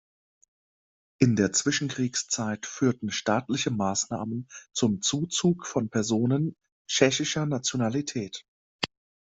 In der Zwischenkriegszeit führten staatliche Maßnahmen zum Zuzug von Personen tschechischer Nationalität.